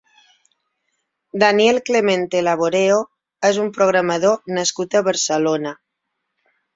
Daniel Clemente Laboreo és un programador nascut a Barcelona.